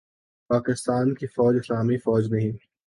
پاکستان کی فوج اسلامی فوج نہیں